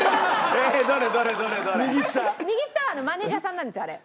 右下はマネジャーさんのなんですあれ。